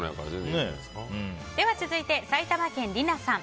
では続いて埼玉県の方。